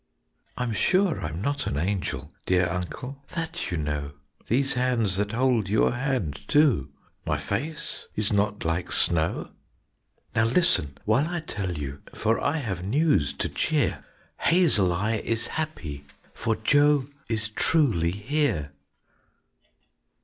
"I'm sure I'm not an angel, Dear Uncle, that you know; These hands that hold your hand, too, My face is not like snow. "Now listen while I tell you, For I have news to cheer; Hazel Eye is happy, For Joe is truly here."